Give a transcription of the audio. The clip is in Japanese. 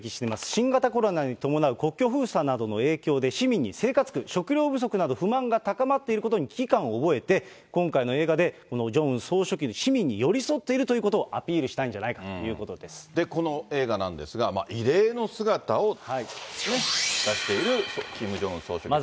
新型コロナに伴う国境封鎖などの影響で、市民に生活苦、食料不足など、不満が高まっていることに危機感を覚えて、今回の映画で、ジョンウン総書記は、市民に寄り添っているということをアピールしたいんじゃないかとこの映画なんですが、異例の姿を出しているキム・ジョンウン総書記ですが。